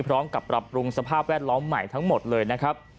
ปรับปรุงสภาพแวดล้อมใหม่ทั้งหมดเลยนะครับ